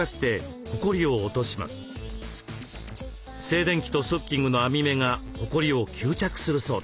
静電気とストッキングの網目がほこりを吸着するそうです。